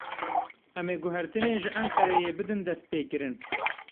Em ê guhertinê ji Enqereyê bidin dest pêkirin.